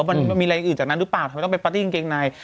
มันมีอะไรอย่างอื่นจากนั้นหรือเปล่าทำไมต้องไปปาร์ตี้กางเกงใน